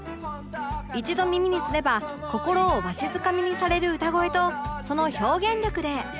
一度耳にすれば心をわしづかみにされる歌声とその表現力で